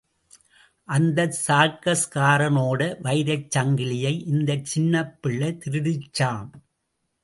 அந்த சர்க்கஸ்காரனோட வைரச் சங்கிலியை இந்தச் சின்னப் பிள்ளை திருடிடுச்சாம்.